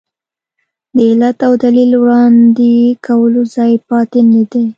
د علت او دلیل وړاندې کولو ځای پاتې نه دی.